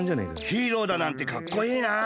ヒーローだなんてかっこいいなあ。